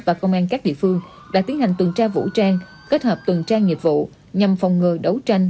và công an các địa phương đã tiến hành tuần tra vũ trang kết hợp tuần tra nghiệp vụ nhằm phòng ngừa đấu tranh